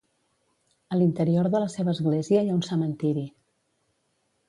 A l'interior de la seva Església hi ha un cementiri.